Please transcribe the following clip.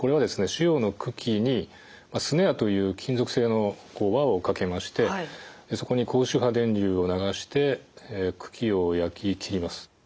腫瘍の茎にスネアという金属製の輪をかけましてそこに高周波電流を流して茎を焼き切ります。